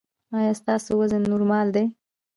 ایا ستاسو وزن نورمال دی؟